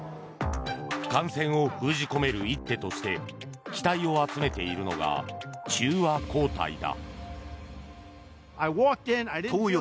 感染を封じ込める一手として期待を集めているのが中和抗体だ。